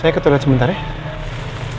jin saya ke toilet sebentar ya